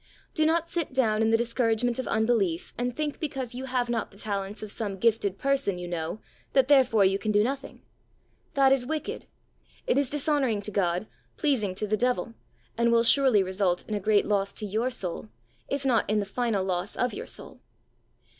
Do not sit do>vn in the discouragement of unbelief and think because you have not the talents of some gifted person you know that therefore you can do nothing. That is wicked. It is dishonouring to God, pleasing to the devil, and will surely result in a great loss to your soul, if not in the final loss of your soul.